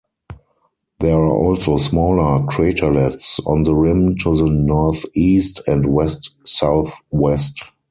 There are also smaller craterlets on the rim to the northeast and west-southwest.